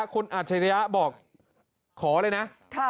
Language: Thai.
คุณอาจรยะบอกขอเลยนะค่ะ